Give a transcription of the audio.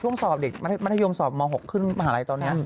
สอบเด็กมัธยมสอบม๖ขึ้นมหาลัยตอนนี้